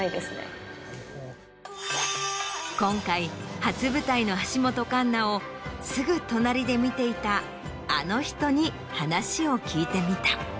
今回初舞台の橋本環奈をすぐ隣で見ていたあの人に話を聞いてみた。